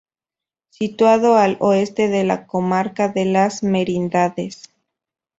Situado al oeste de la comarca de Las Merindades.